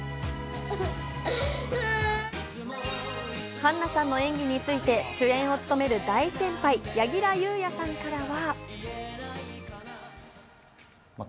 絆菜さんの演技について、主演を務める大先輩・柳楽優弥さんからは。